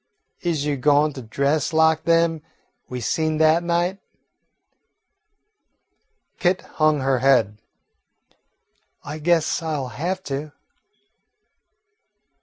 Is you goin' to dress lak dem we seen dat night?" Kit hung her head. "I guess I 'll have to."